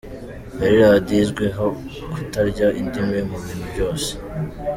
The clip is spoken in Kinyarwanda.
Yari Radiyo izwi ho kutarya indimi mu bintu byose!